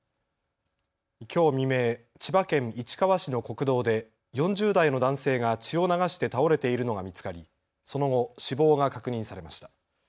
きょう未明、千葉県市川市の国道で４０代の男性が血を流して倒れているのが見つかりその後、死亡が確認されました。